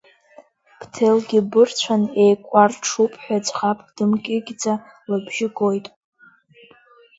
Бҭелгьы бырцәан еикәарҽуп ҳәа ӡӷабк дымкьыкьӡа лыбжьы гоит.